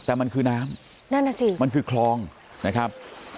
แต่มันคือน้ำนั่นน่ะสิมันคือคลองนะครับ